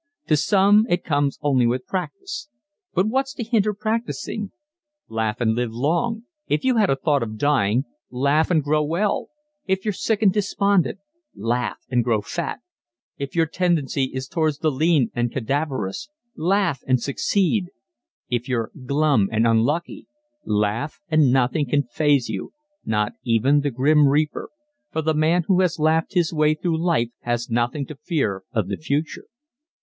_ To some it comes only with practice. But what's to hinder practising? Laugh and live long if you had a thought of dying laugh and grow well if you're sick and despondent laugh and grow fat if your tendency is towards the lean and cadaverous laugh and succeed if you're glum and "unlucky" laugh and nothing can faze you not even the Grim Reaper for the man who has laughed his way through life has nothing to fear of the future.